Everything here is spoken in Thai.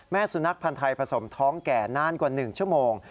สุนัขพันธ์ไทยผสมท้องแก่นานกว่า๑ชั่วโมง